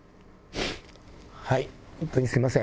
はい、本当にすみません。